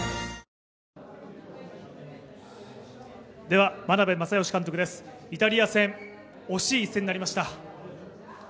では眞鍋政義監督です、イタリア戦惜しい一戦になりました。